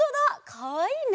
かわいいね！